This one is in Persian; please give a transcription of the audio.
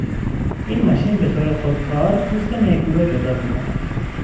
این ماشین به طور خود کار پوست میگو را جدا میکند.